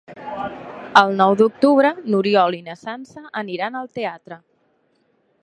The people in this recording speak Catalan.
El nou d'octubre n'Oriol i na Sança aniran al teatre.